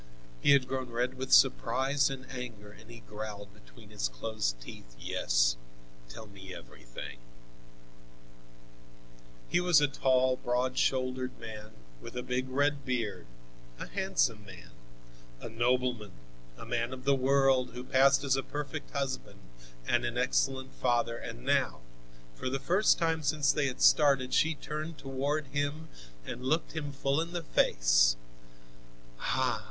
He had grown red with surprise and anger and he growled between his closed teeth: "Yes, tell me everything." He was a tall, broad shouldered man, with a big red beard, a handsome man, a nobleman, a man of the world, who passed as a perfect husband and an excellent father, and now, for the first time since they had started, she turned toward him and looked him full in the face: "Ah!